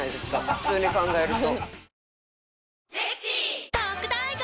普通に考えると。